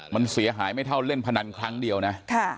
มันเสียหายไม่เท่าเล่นพนันครั้งเดียวนะ